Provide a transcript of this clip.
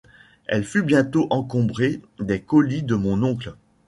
Elle fut bientôt encombrée des colis de mon oncle.